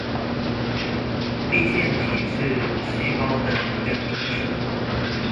粒線體是細胞的能量中樞